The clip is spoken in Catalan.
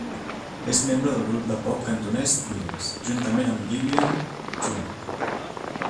És membre del grup de pop cantonès Twins, juntament amb Gillian Chung.